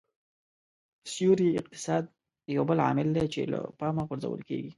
سیوري اقتصاد یو بل عامل دی چې له پامه غورځول کېږي